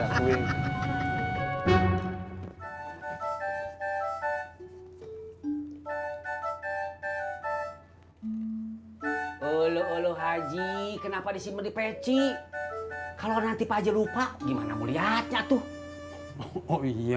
ulu ulu haji kenapa di sini di peci kalau nanti pak jirupa gimana mau lihatnya tuh oh iya